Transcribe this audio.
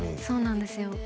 そうなんですよ